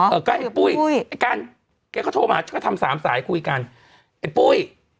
เออก็ไอ้ปุ้ยไอ้กันไอ้กันก็โทรมาทำสามสายคุยกันไอ้ปุ้ย